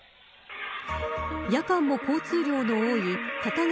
夜間も交通量の多い片側